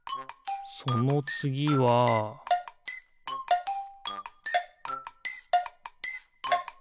そのつぎはピッ！